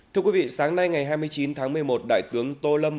thưa quý vị sáng nay ngày hai mươi chín tháng một mươi một đại tướng tô lâm